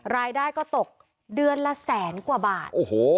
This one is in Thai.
รายได้ก็ตกเดือนละแสนกว่าบาท